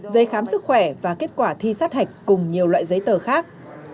giấy khám sức khỏe và kết quả thi sát hạch cùng nhiều loại giấy tờ khác